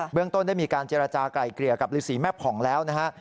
เรื่องต้นได้มีการเจรจากลายเกลี่ยกับฤษีแม่ผ่องแล้วนะฮะ